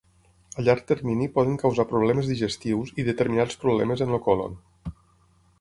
A llarg termini poden causar problemes digestius i determinats problemes en el còlon.